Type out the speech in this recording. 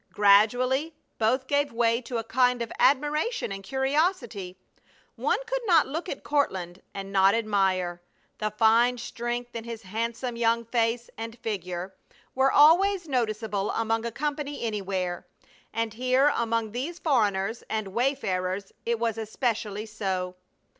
Gradually both gave way to a kind of admiration and curiosity. One could not look at Courtland and not admire. The fine strength in his handsome young face and figure were always noticeable among a company anywhere, and here among these foreigners and wayfarers it was especially so.